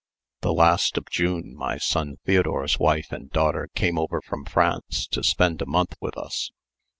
The last of June my son Theodore's wife and daughter came over from France to spend a month with us.